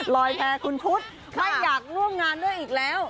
ลอยแพ้คุณพุทธไม่อยากร่วมงานด้วยอีกแล้ว